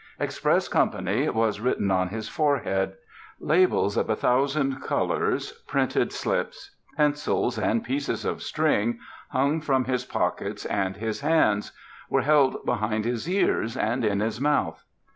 'Express Company' was written on his forehead; labels of a thousand colours, printed slips, pencils and pieces of string, hung from his pockets and his hands, were held behind his ears and in his mouth.